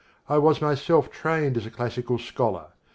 I was myself trained as a classical scholar.